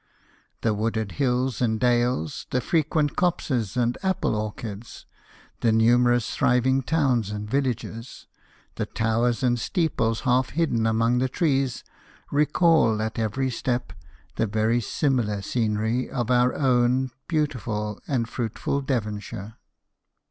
The wooded hills and dales, the frequent copses and apple orchards, the numerous thriving towns and villages, the towers and steeples half hidden among the trees, recall at every step the very similar scenery of our own beautiful and fruitful Devonshire.